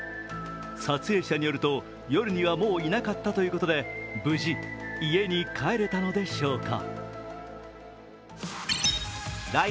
撮影者によると、夜にはもういなかったということで無事、家に帰れたのでしょうか？